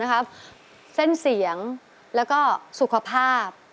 เส้นเสียงแล้วก็สุขภาพ